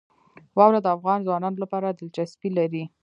واوره د افغان ځوانانو لپاره دلچسپي لري.